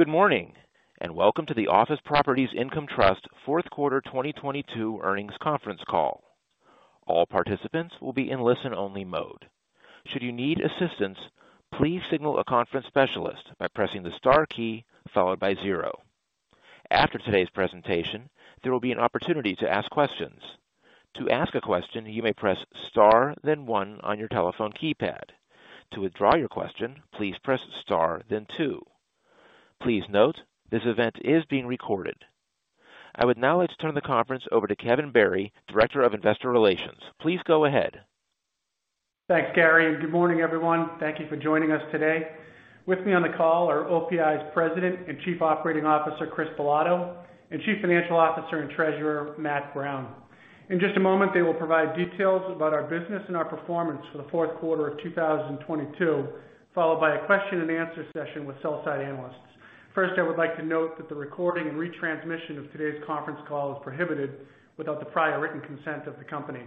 Good morning, and welcome to the Office Properties Income Trust 4th quarter 2022 earnings conference call. All participants will be in listen-only mode. Should you need assistance, please signal a conference specialist by pressing the star key followed by zero. After today's presentation, there will be an opportunity to ask questions. To ask a question, you may press star then 1 on your telephone keypad. To withdraw your question, please press star then 2. Please note, this event is being recorded. I would now like to turn the conference over to Kevin Barry, Director of Investor Relations. Please go ahead. Thanks, Gary. Good morning, everyone. Thank you for joining us today. With me on the call are OPI's President and Chief Operating Officer, Chris Bilotto, and Chief Financial Officer and Treasurer, Matt Brown. In just a moment, they will provide details about our business and our performance for the fourth quarter of 2022, followed by a question and answer session with sell-side analysts. First, I would like to note that the recording and retransmission of today's conference call is prohibited without the prior written consent of the company.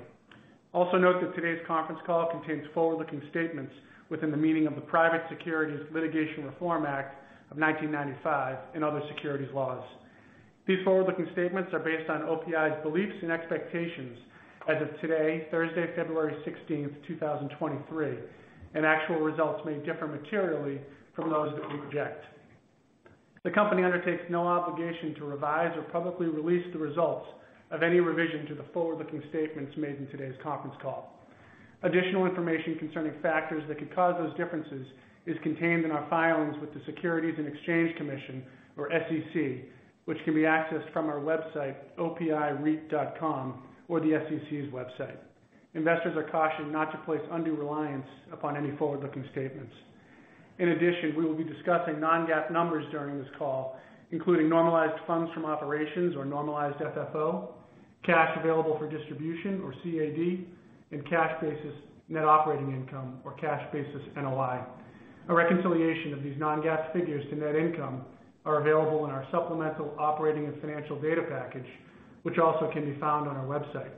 Note that today's conference call contains forward-looking statements within the meaning of the Private Securities Litigation Reform Act of 1995 and other securities laws. These forward-looking statements are based on OPI's beliefs and expectations as of today, Thursday, February 16, 2023, and actual results may differ materially from those that we project. The company undertakes no obligation to revise or publicly release the results of any revision to the forward-looking statements made in today's conference call. Additional information concerning factors that could cause those differences is contained in our filings with the Securities and Exchange Commission, or SEC, which can be accessed from our website, opireit.com, or the SEC's website. Investors are cautioned not to place undue reliance upon any forward-looking statements. In addition, we will be discussing non-GAAP numbers during this call, including normalized funds from operations or Normalized FFO, cash available for distribution or CAD, and cash basis net operating income or cash basis NOI. A reconciliation of these non-GAAP figures to net income are available in our supplemental operating and financial data package, which also can be found on our website.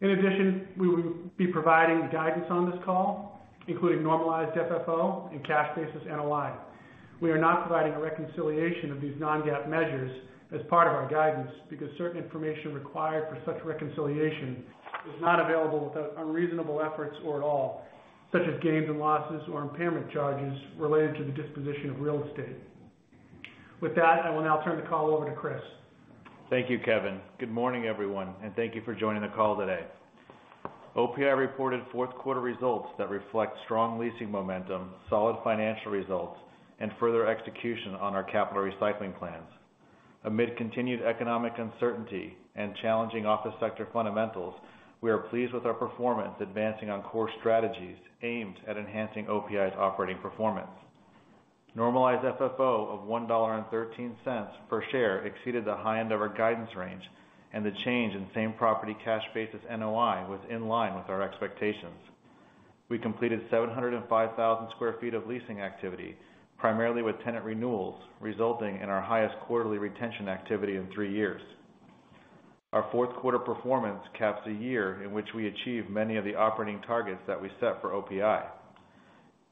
In addition, we will be providing guidance on this call, including Normalized FFO and cash basis NOI. We are not providing a reconciliation of these non-GAAP measures as part of our guidance because certain information required for such reconciliation is not available without unreasonable efforts or at all, such as gains and losses or impairment charges related to the disposition of real estate. With that, I will now turn the call over to Chris. Thank you, Kevin. Good morning, everyone, and thank you for joining the call today. OPI reported fourth quarter results that reflect strong leasing momentum, solid financial results, and further execution on our capital recycling plans. Amid continued economic uncertainty and challenging office sector fundamentals, we are pleased with our performance advancing on core strategies aimed at enhancing OPI's operating performance. Normalized FFO of $1.13 per share exceeded the high end of our guidance range, and the change in same-property cash basis NOI was in line with our expectations. We completed 705,000 sq ft of leasing activity, primarily with tenant renewals, resulting in our highest quarterly retention activity in 3 years. Our fourth quarter performance caps a year in which we achieved many of the operating targets that we set for OPI.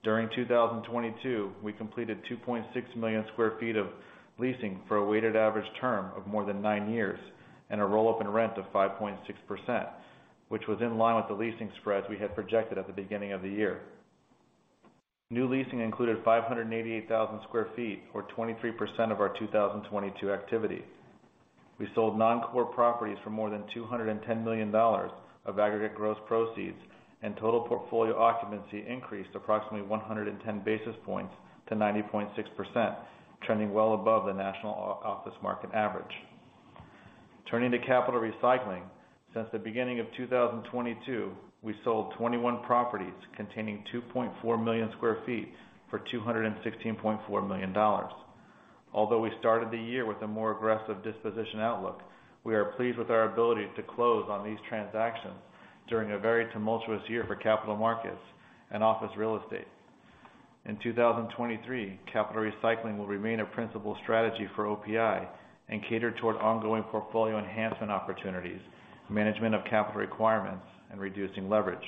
During 2022, we completed 2.6 million square feet of leasing for a weighted average term of more than nine years and a roll-up in rent of 5.6%, which was in line with the leasing spreads we had projected at the beginning of the year. New leasing included 588,000 square feet, or 23% of our 2022 activity. We sold non-core properties for more than $210 million of aggregate gross proceeds, and total portfolio occupancy increased approximately 110 basis points to 90.6%, trending well above the national o-office market average. Turning to capital recycling, since the beginning of 2022, we sold 21 properties containing 2.4 million square feet for $216.4 million. Although we started the year with a more aggressive disposition outlook, we are pleased with our ability to close on these transactions during a very tumultuous year for capital markets and office real estate. In 2023, capital recycling will remain a principal strategy for OPI and cater toward ongoing portfolio enhancement opportunities, management of capital requirements, and reducing leverage.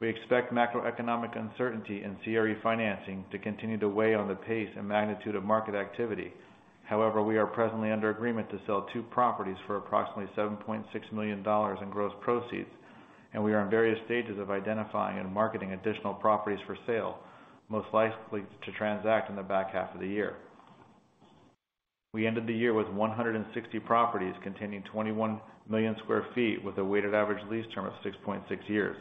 We expect macroeconomic uncertainty in CRE financing to continue to weigh on the pace and magnitude of market activity. However, we are presently under agreement to sell two properties for approximately $7.6 million in gross proceeds, and we are in various stages of identifying and marketing additional properties for sale, most likely to transact in the back half of the year. We ended the year with 160 properties containing 21 million sq ft with a weighted average lease term of 6.6 years.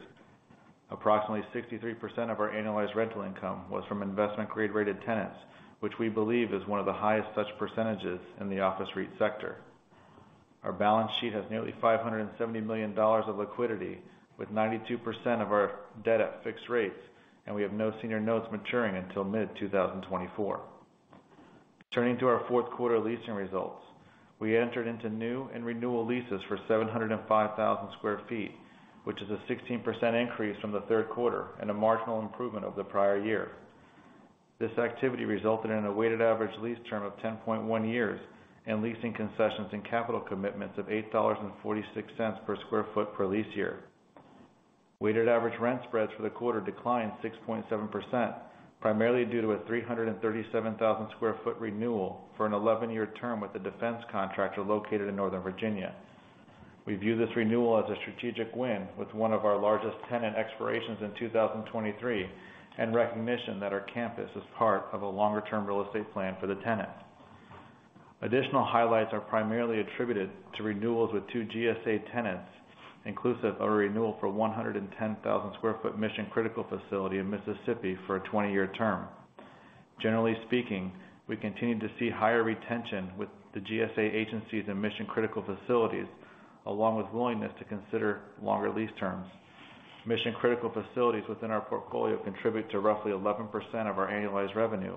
Approximately 63% of our annualized rental income was from investment-grade rated tenants, which we believe is one of the highest such percentages in the office REIT sector. Our balance sheet has nearly $570 million of liquidity, with 92% of our debt at fixed rates, and we have no senior notes maturing until mid-2024. Turning to our fourth quarter leasing results, we entered into new and renewal leases for 705,000 sq ft, which is a 16% increase from the third quarter and a marginal improvement over the prior year. This activity resulted in a weighted average lease term of 10.1 years and leasing concessions and capital commitments of $8.46 per sq ft per lease year. Weighted average rent spreads for the quarter declined 6.7%, primarily due to a 337,000 sq ft renewal for an 11-year term with a defense contractor located in Northern Virginia. We view this renewal as a strategic win with one of our largest tenant expirations in 2023, and recognition that our campus is part of a longer-term real estate plan for the tenant. Additional highlights are primarily attributed to renewals with 2 GSA tenants, inclusive of a renewal for 110,000 sq ft mission-critical facility in Mississippi for a 20-year term. Generally speaking, we continue to see higher retention with the GSA agencies and mission-critical facilities, along with willingness to consider longer lease terms. Mission-critical facilities within our portfolio contribute to roughly 11% of our annualized revenue,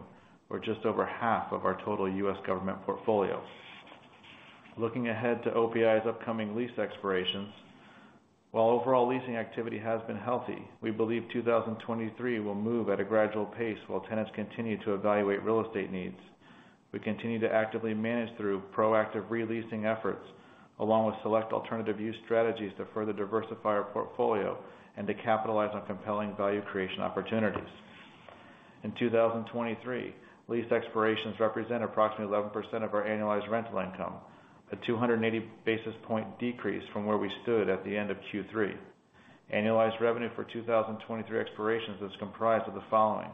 or just over half of our total US government portfolio. Looking ahead to OPI's upcoming lease expirations, while overall leasing activity has been healthy, we believe 2023 will move at a gradual pace while tenants continue to evaluate real estate needs. We continue to actively manage through proactive re-leasing efforts, along with select alternative use strategies to further diversify our portfolio and to capitalize on compelling value creation opportunities. In 2023, lease expirations represent approximately 11% of our annualized rental income, a 280 basis point decrease from where we stood at the end of Q3. Annualized revenue for 2023 expirations is comprised of the following.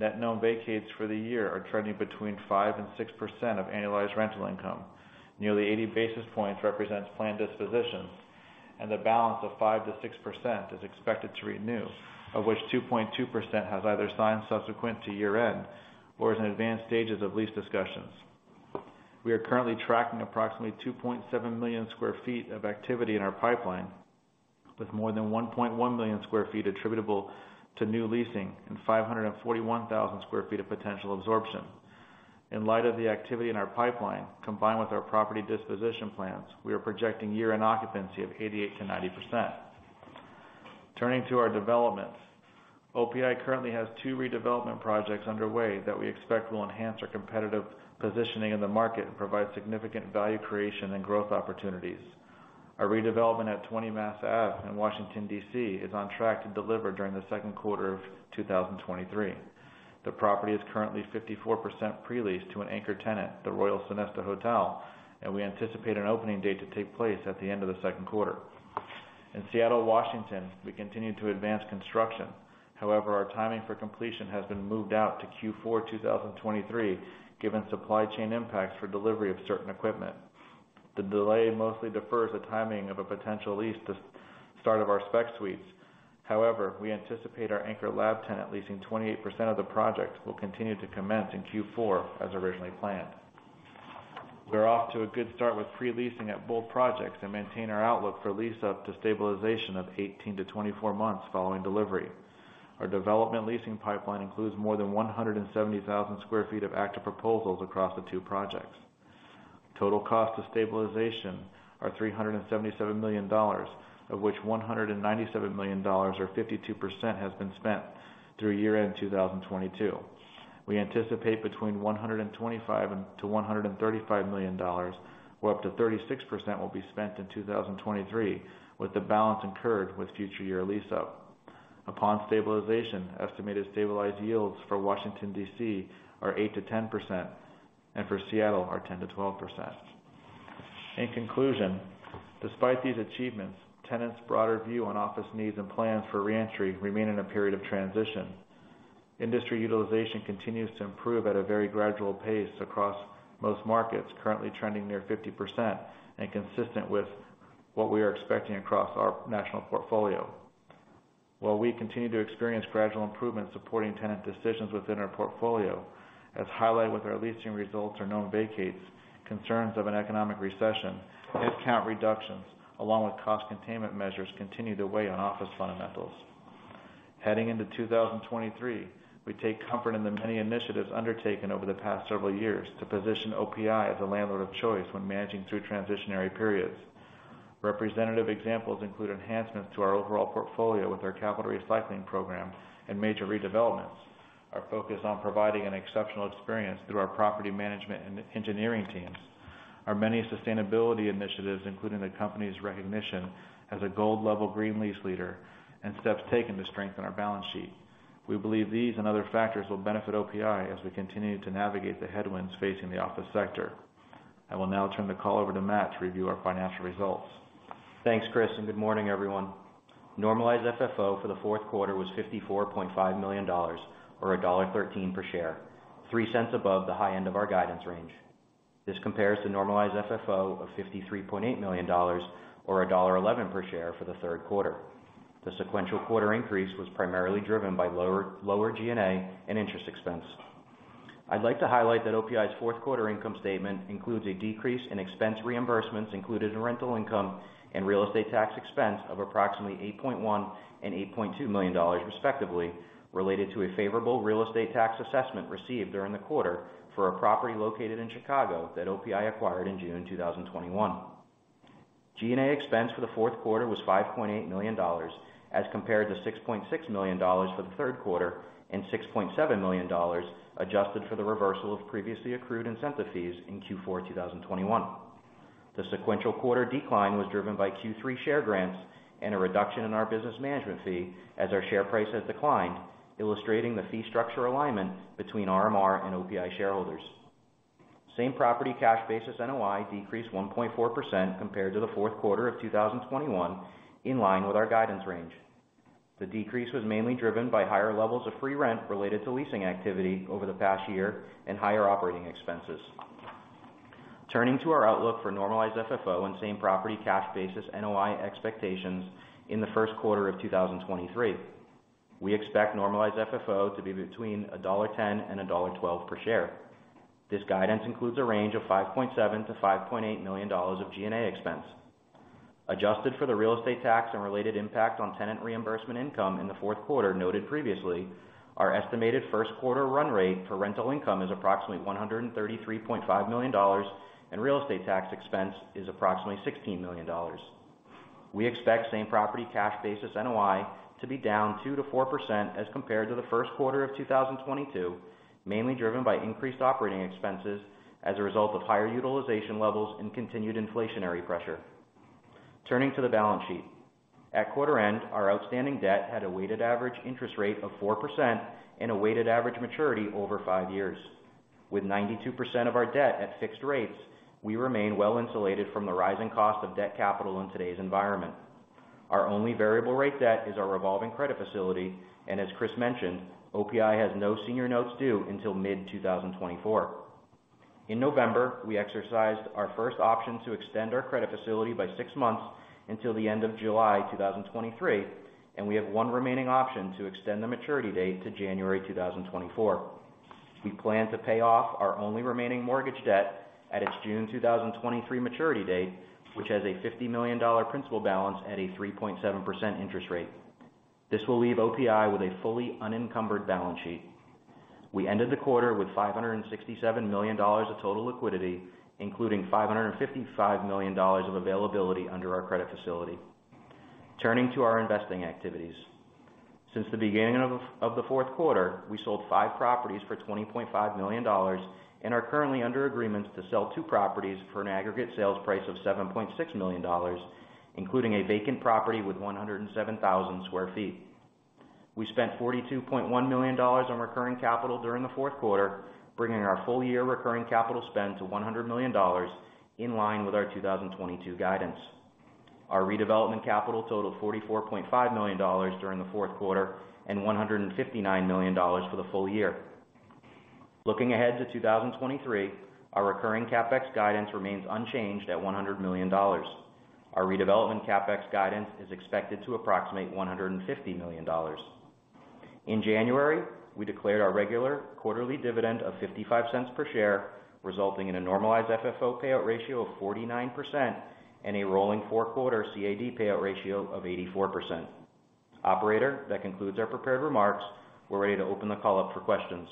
Net known vacates for the year are trending between 5% and 6% of annualized rental income. Nearly 80 basis points represents planned dispositions, the balance of 5%-6% is expected to renew, of which 2.2% has either signed subsequent to year-end or is in advanced stages of lease discussions. We are currently tracking approximately 2.7 million sq ft of activity in our pipeline, with more than 1.1 million sq ft attributable to new leasing and 541,000 sq ft of potential absorption. In light of the activity in our pipeline, combined with our property disposition plans, we are projecting year-end occupancy of 88%-90%. Turning to our developments. OPI currently has two redevelopment projects underway that we expect will enhance our competitive positioning in the market and provide significant value creation and growth opportunities. Our redevelopment at Twenty Mass Ave in Washington, D.C. is on track to deliver during the second quarter of 2023. The property is currently 54% pre-leased to an anchor tenant, the Royal Sonesta, and we anticipate an opening date to take place at the end of the second quarter. In Seattle, Washington, we continue to advance construction. Our timing for completion has been moved out to Q4 2023, given supply chain impacts for delivery of certain equipment. The delay mostly defers the timing of a potential lease to start of our spec suites. We anticipate our anchor lab tenant leasing 28% of the project will continue to commence in Q4, as originally planned. We're off to a good start with pre-leasing at both projects and maintain our outlook for lease-up to stabilization of 18-24 months following delivery. Our development leasing pipeline includes more than 170,000 sq ft of active proposals across the two projects. Total cost of stabilization are $377 million, of which $197 million or 52% has been spent through year-end 2022. We anticipate between $125 million and to $135 million, or up to 36%, will be spent in 2023, with the balance incurred with future year lease-up. Upon stabilization, estimated stabilized yields for Washington, D.C. are 8%-10%, and for Seattle are 10%-12%. In conclusion, despite these achievements, tenants' broader view on office needs and plans for re-entry remain in a period of transition. Industry utilization continues to improve at a very gradual pace across most markets, currently trending near 50% and consistent with what we are expecting across our national portfolio. We continue to experience gradual improvement supporting tenant decisions within our portfolio, as highlighted with our leasing results or known vacates, concerns of an economic recession, head count reductions, along with cost containment measures continue to weigh on office fundamentals. Heading into 2023, we take comfort in the many initiatives undertaken over the past several years to position OPI as a landlord of choice when managing through transitionary periods. Representative examples include enhancements to our overall portfolio with our capital recycling program and major redevelopments. Our focus on providing an exceptional experience through our property management and engineering teams. Our many sustainability initiatives, including the company's recognition as a gold-level Green Lease Leader, and steps taken to strengthen our balance sheet. We believe these and other factors will benefit OPI as we continue to navigate the headwinds facing the office sector. I will now turn the call over to Matt to review our financial results. Thanks, Chris. Good morning, everyone. Normalized FFO for the fourth quarter was $54.5 million or $1.13 per share, $0.03 above the high end of our guidance range. This compares to Normalized FFO of $53.8 million or $1.11 per share for the third quarter. The sequential quarter increase was primarily driven by lower G&A and interest expense. I'd like to highlight that OPI's fourth quarter income statement includes a decrease in expense reimbursements included in rental income and real estate tax expense of approximately $8.1 million and $8.2 million respectively, related to a favorable real estate tax assessment received during the quarter for a property located in Chicago that OPI acquired in June 2021. G&A expense for the fourth quarter was $5.8 million as compared to $6.6 million for the third quarter and $6.7 million adjusted for the reversal of previously accrued incentive fees in Q4 2021. The sequential quarter decline was driven by Q3 share grants and a reduction in our business management fee as our share price has declined, illustrating the fee structure alignment between RMR and OPI shareholders. Same property cash basis NOI decreased 1.4% compared to the fourth quarter of 2021, in line with our guidance range. The decrease was mainly driven by higher levels of free rent related to leasing activity over the past year and higher operating expenses. Turning to our outlook for normalized FFO and same property cash basis NOI expectations in the first quarter of 2023. We expect Normalized FFO to be between $1.10 and $1.12 per share. This guidance includes a range of $5.7 million-$5.8 million of G&A expense. Adjusted for the real estate tax and related impact on tenant reimbursement income in the fourth quarter noted previously, our estimated first quarter run rate for rental income is approximately $133.5 million, and real estate tax expense is approximately $16 million. We expect same property cash basis NOI to be down 2%-4% as compared to the first quarter of 2022, mainly driven by increased operating expenses as a result of higher utilization levels and continued inflationary pressure. Turning to the balance sheet. At quarter end, our outstanding debt had a weighted average interest rate of 4% and a weighted average maturity over 5 years. With 92% of our debt at fixed rates, we remain well insulated from the rising cost of debt capital in today's environment. Our only variable rate debt is our revolving credit facility, and as Chris mentioned, OPI has no senior notes due until mid 2024. In November, we exercised our first option to extend our credit facility by 6 months until the end of July 2023, and we have one remaining option to extend the maturity date to January 2024. We plan to pay off our only remaining mortgage debt at its June 2023 maturity date, which has a $50 million principal balance at a 3.7% interest rate. This will leave OPI with a fully unencumbered balance sheet. We ended the quarter with $567 million of total liquidity, including $555 million of availability under our credit facility. Turning to our investing activities. Since the beginning of the fourth quarter, we sold 5 properties for $20.5 million and are currently under agreements to sell 2 properties for an aggregate sales price of $7.6 million, including a vacant property with 107,000 sq ft. We spent $42.1 million on recurring capital during the fourth quarter, bringing our full-year recurring capital spend to $100 million, in line with our 2022 guidance. Our redevelopment capital totaled $44.5 million during the fourth quarter and $159 million for the full year. Looking ahead to 2023, our recurring CapEx guidance remains unchanged at $100 million. Our redevelopment CapEx guidance is expected to approximate $150 million. In January, we declared our regular quarterly dividend of $0.55 per share, resulting in a Normalized FFO payout ratio of 49% and a rolling four-quarter CAD payout ratio of 84%. Operator, that concludes our prepared remarks. We're ready to open the call up for questions.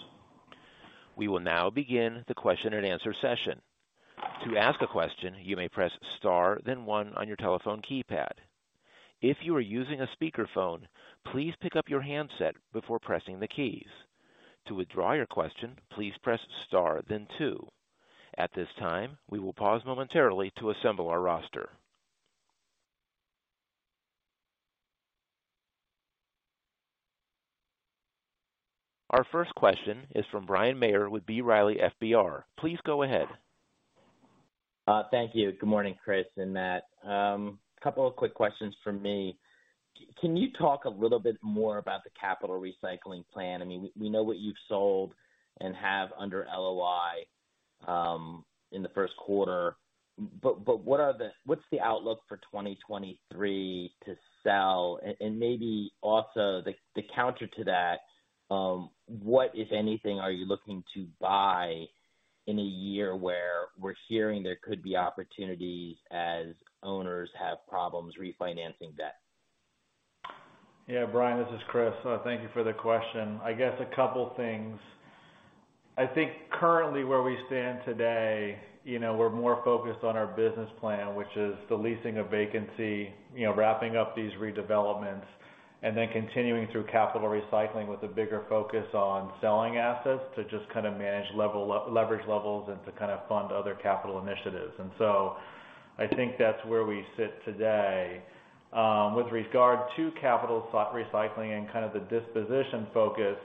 We will now begin the question-and-answer session. To ask a question, you may press star then one on your telephone keypad. If you are using a speakerphone, please pick up your handset before pressing the keys. To withdraw your question, please press star then two. At this time, we will pause momentarily to assemble our roster. Our first question is from Bryan Maher with B. Riley Securities. Please go ahead. Thank you. Good morning, Chris and Matt. Couple of quick questions from me. Can you talk a little bit more about the capital recycling plan? I mean, we know what you've sold and have under LOI in the first quarter. What's the outlook for 2023 to sell? Maybe also the counter to that, what, if anything, are you looking to buy in a year where we're hearing there could be opportunities as owners have problems refinancing debt? Yeah. Bryan, this is Christopher. Thank you for the question. I guess a couple things. I think currently where we stand today, you know, we're more focused on our business plan, which is the leasing of vacancy, you know, wrapping up these redevelopments and then continuing through capital recycling with a bigger focus on selling assets to just kind of manage leverage levels and to kind of fund other capital initiatives. I think that's where we sit today. With regard to capital recycling and kind of the disposition focus,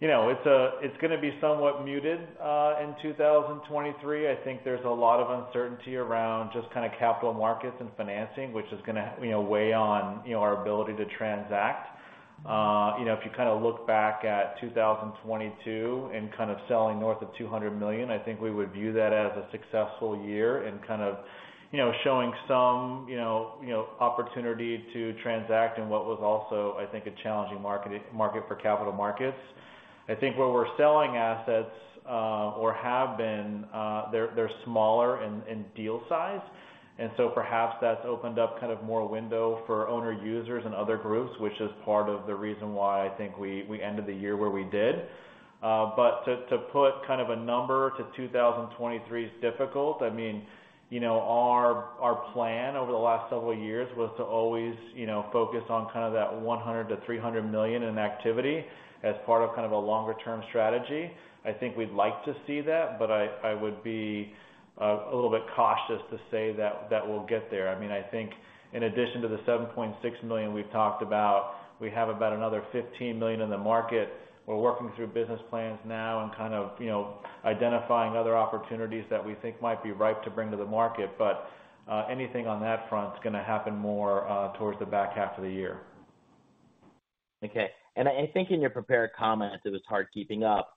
you know, it's gonna be somewhat muted in 2023. I think there's a lot of uncertainty around just kind of capital markets and financing, which is gonna, you know, weigh on, you know, our ability to transact. If you kind of look back at 2022 and kind of selling north of $200 million, I think we would view that as a successful year in kind of, you know, showing some, you know, opportunity to transact in what was also, I think, a challenging market for capital markets. I think where we're selling assets, or have been, they're smaller in deal size. Perhaps that's opened up kind of more window for owner users and other groups, which is part of the reason why I think we ended the year where we did. To put kind of a number to 2023 is difficult. I mean, you know, our plan over the last several years was to always, you know, focus on kind of that $100 million-$300 million in activity as part of kind of a longer term strategy. I think we'd like to see that, but I would be a little bit cautious to say that we'll get there. I mean, I think in addition to the $7.6 million we've talked about, we have about another $15 million in the market. We're working through business plans now and kind of, you know, identifying other opportunities that we think might be ripe to bring to the market. Anything on that front is gonna happen more towards the back half of the year. Okay. I think in your prepared comments, it was hard keeping up.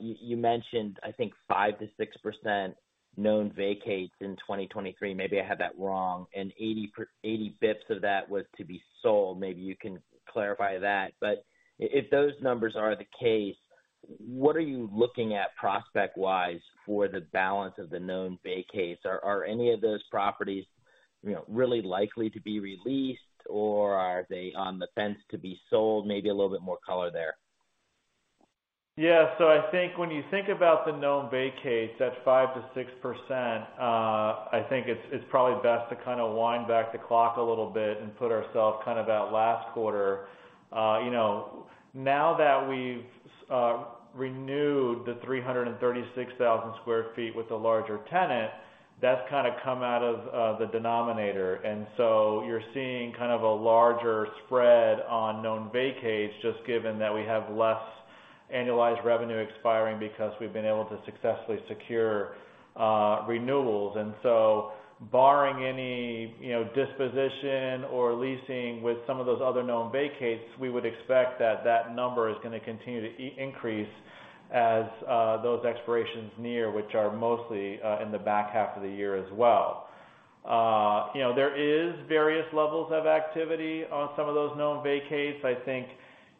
You mentioned, I think 5%-6% known vacates in 2023, maybe I have that wrong, and 80 basis points of that was to be sold. Maybe you can clarify that. If those numbers are the case, what are you looking at prospect-wise for the balance of the known vacates? Are any of those properties, you know, really likely to be re-leased, or are they on the fence to be sold? Maybe a little bit more color there. I think when you think about the known vacates, that's 5%-6%. I think it's probably best to kind of wind back the clock a little bit and put ourselves kind of at last quarter. you know, now that we've renewed the 336,000 sq ft with a larger tenant, that's kind of come out of the denominator. You're seeing kind of a larger spread on known vacates, just given that we have less annualized revenue expiring because we've been able to successfully secure renewals. Barring any, you know, disposition or leasing with some of those other known vacates, we would expect that that number is gonna continue to increase as those expirations near, which are mostly in the back half of the year as well. you know, there is various levels of activity on some of those known vacates. I think,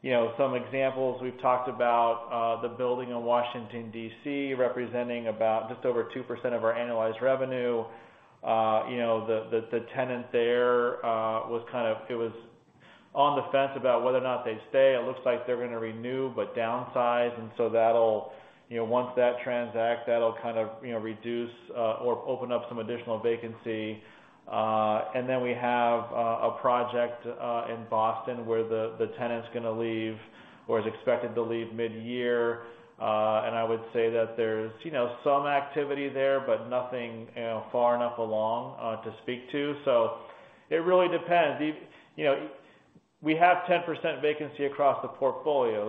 you know, some examples, we've talked about, the building in Washington, D.C., representing about just over 2% of our annualized revenue. you know, the tenant there, was on the fence about whether or not they'd stay. It looks like they're gonna renew, but downsize. That'll, you know, once that transact, that'll kind of, you know, reduce, or open up some additional vacancy. Then we have, a project in Boston where the tenant's gonna leave or is expected to leave midyear. I would say that there's, you know, some activity there, but nothing, you know, far enough along to speak to. It really depends. you know, we have 10% vacancy across the portfolio.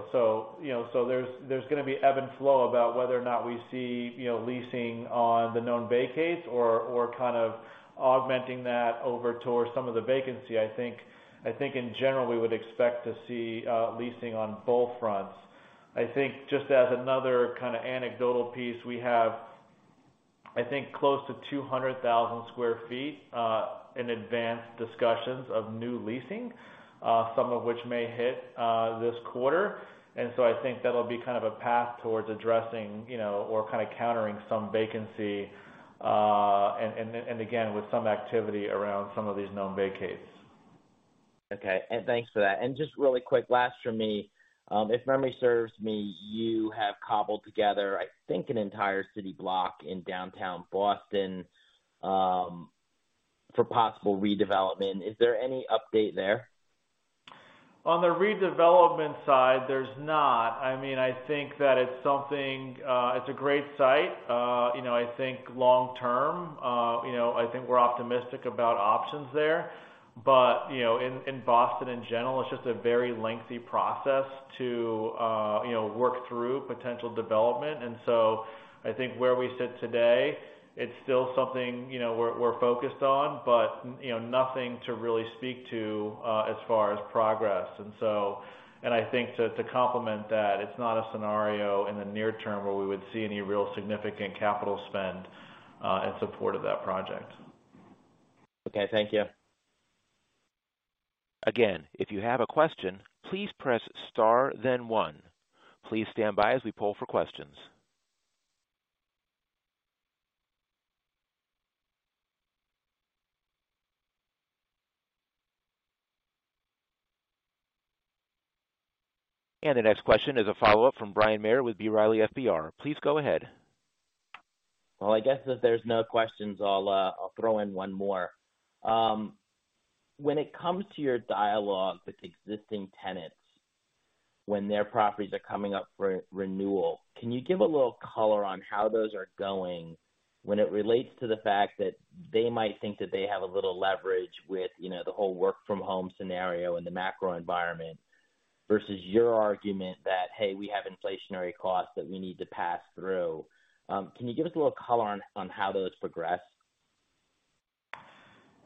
you know, there's gonna be ebb and flow about whether or not we see, you know, leasing on the known vacates or kind of augmenting that over towards some of the vacancy. I think in general, we would expect to see leasing on both fronts. I think just as another kind of anecdotal piece, we have, I think, close to 200,000 sq ft in advanced discussions of new leasing, some of which may hit this quarter. I think that'll be kind of a path towards addressing, you know, or kind of countering some vacancy, and again, with some activity around some of these known vacates. Okay. Thanks for that. Just really quick, last from me. If memory serves me, you have cobbled together, I think, an entire city block in downtown Boston, for possible redevelopment. Is there any update there? On the redevelopment side, there's not. I mean, I think that it's a great site. You know, I think long term, you know, I think we're optimistic about options there. You know, in Boston in general, it's just a very lengthy process to, you know, work through potential development. I think where we sit today, it's still something, you know, we're focused on, but, you know, nothing to really speak to, as far as progress. I think to complement that, it's not a scenario in the near term where we would see any real significant capital spend, in support of that project. Okay. Thank you. Again, if you have a question, please press star 1. Please stand by as we poll for questions. The next question is a follow-up from Bryan Maher with B. Riley Securities. Please go ahead. Well, I guess if there's no questions, I'll throw in one more. When it comes to your dialogue with existing tenants when their properties are coming up for renewal, can you give a little color on how those are going when it relates to the fact that they might think that they have a little leverage with, you know, the whole work from home scenario and the macro environment versus your argument that, hey, we have inflationary costs that we need to pass through. Can you give us a little color on how those progress?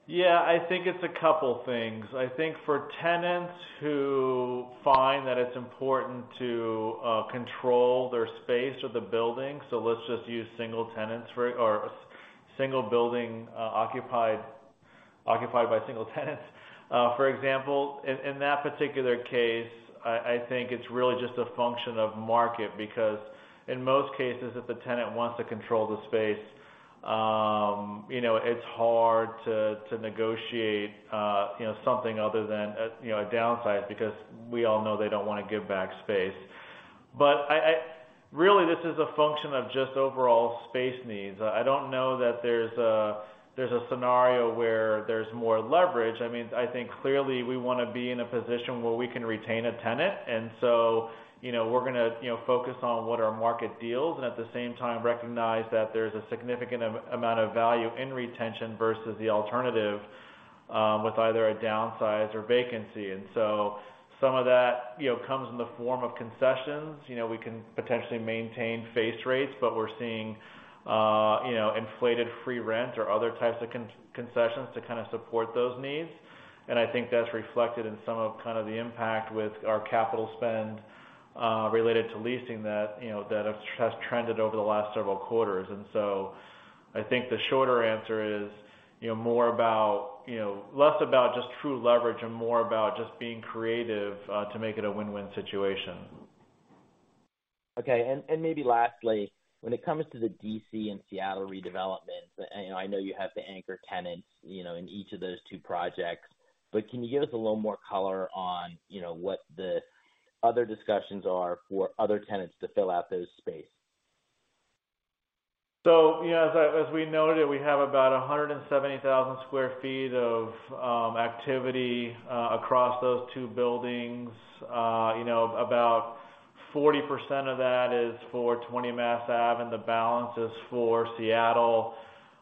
Yeah. I think it's a couple things. I think for tenants who find that it's important to control their space or the building, so let's just use single tenants or single building occupied by single tenants, for example. In that particular case, I think it's really just a function of market because in most cases, if the tenant wants to control the space, you know, it's hard to negotiate, you know, something other than, you know, a downside because we all know they don't wanna give back space. Really, this is a function of just overall space needs. I don't know that there's a scenario where there's more leverage. I mean, I think clearly we wanna be in a position where we can retain a tenant. You know, we're gonna, you know, focus on what our market deals and at the same time recognize that there's a significant amount of value in retention versus the alternative. With either a downsize or vacancy. Some of that, you know, comes in the form of concessions. You know, we can potentially maintain face rates, but we're seeing, you know, inflated free rent or other types of concessions to kind of support those needs. I think that's reflected in some of, kind of the impact with our capital spend related to leasing that, you know, that has trended over the last several quarters. I think the shorter answer is, you know, more about, you know, less about just true leverage and more about just being creative to make it a win-win situation. Okay. Maybe lastly, when it comes to the D.C. and Seattle redevelopments, and I know you have the anchor tenants, you know, in each of those two projects, but can you give us a little more color on, you know, what the other discussions are for other tenants to fill out those space? You know, as we noted, we have about 170,000 sq ft of activity across those two buildings. You know, about 40% of that is for Twenty Mass Ave, and the balance is for Seattle.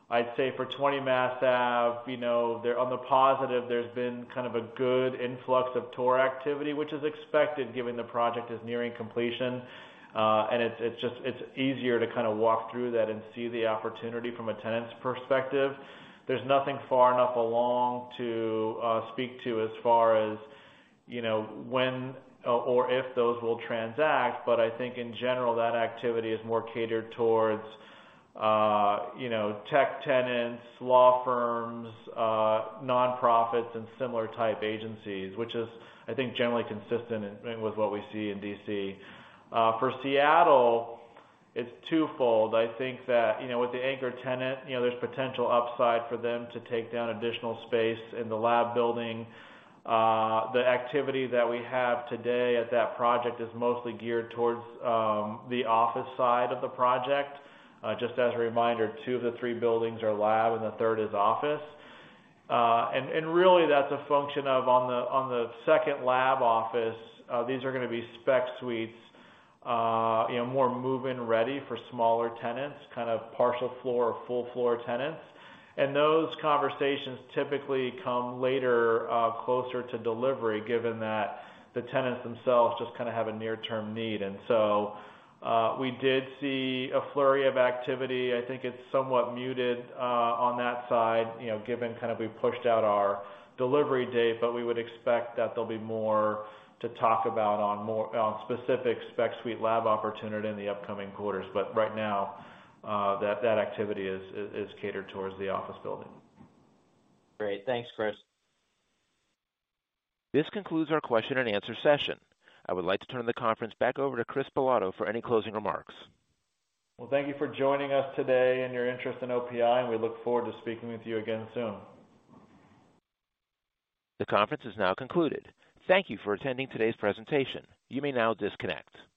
I'd say for Twenty Mass Ave, you know, there on the positive, there's been kind of a good influx of tour activity, which is expected given the project is nearing completion. It's, it's just, it's easier to kind of walk through that and see the opportunity from a tenant's perspective. There's nothing far enough along to speak to as far as, you know, when or if those will transact. I think in general, that activity is more catered towards, you know, tech tenants, law firms, nonprofits, and similar type agencies, which is, I think, generally consistent in with what we see in D.C. For Seattle, it's twofold. I think that, you know, with the anchor tenant, you know, there's potential upside for them to take down additional space in the lab building. The activity that we have today at that project is mostly geared towards the office side of the project. Just as a reminder, two of the three buildings are lab, and the third is office. Really that's a function of on the second lab office, these are gonna be spec suites. You know, more move-in ready for smaller tenants, kind of partial floor or full floor tenants. Those conversations typically come later, closer to delivery, given that the tenants themselves just kind of have a near-term need. We did see a flurry of activity. I think it's somewhat muted, on that side, you know, given kind of we've pushed out our delivery date, but we would expect that there'll be more to talk about on specific spec suite lab opportunity in the upcoming quarters. Right now, that activity is catered towards the office building. Great. Thanks, Chris. This concludes our question and answer session. I would like to turn the conference back over to Chris Bilotto for any closing remarks. Well, thank you for joining us today and your interest in OPI, and we look forward to speaking with you again soon. The conference is now concluded. Thank you for attending today's presentation. You may now disconnect.